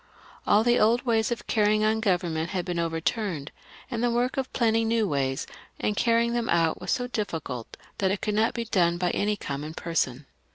All the old ways of carrying on government had been overturned, and L.] DIRECTORY AND CONSULATE, 423 the work of planning new ways and cairying them out was so difficult, that it could not be done by any common per son.